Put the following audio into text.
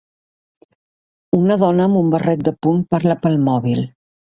Una dona amb un barret de punt parla pel mòbil.